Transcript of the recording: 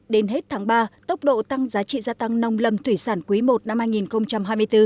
đến hết tháng ba tốc độ tăng giá trị gia tăng nông lầm thủy sản quý i năm hai nghìn hai mươi bốn